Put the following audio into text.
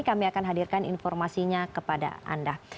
kami akan hadirkan informasinya kepada anda